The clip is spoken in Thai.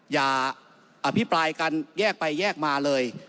อภิปรายกันแยกไปแยกมาเลย